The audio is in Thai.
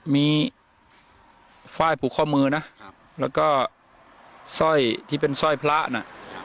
มีฝ้ายผูกข้อมือนะครับแล้วก็สร้อยที่เป็นสร้อยพระน่ะ